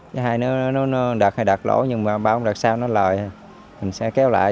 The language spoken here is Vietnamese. với hai nó đợt hay đợt lỗ nhưng mà bao đợt sau nó lời mình sẽ kéo lại